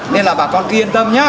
nên là bà con yên tâm nhé